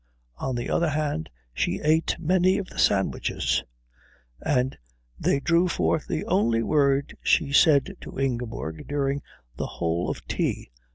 On the other hand she ate many of the sandwiches, and they drew forth the only word she said to Ingeborg during the whole of tea.